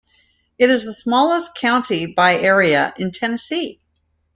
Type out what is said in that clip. It is the smallest county by area in Tennessee.